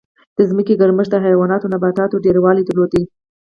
د ځمکې ګرمښت د حیواناتو او نباتاتو ډېروالی درلود.